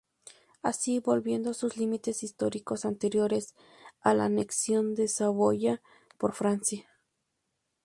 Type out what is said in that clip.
Así, volviendo a sus límites históricos anteriores a la anexión de Saboya por Francia.